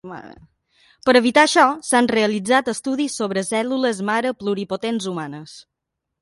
Per evitar això, s'han realitzat estudis sobre cèl·lules mare pluripotents humanes.